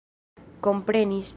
komprenis